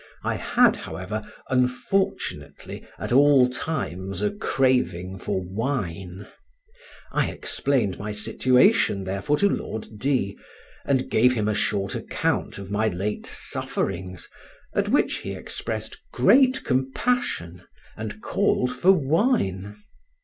I had, however, unfortunately, at all times a craving for wine; I explained my situation, therefore, to Lord D——, and gave him a short account of my late sufferings, at which he expressed great compassion, and called for wine.